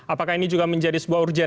apakah ini juga menjadi sebuah urgen